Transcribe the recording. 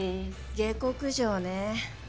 下剋上ね。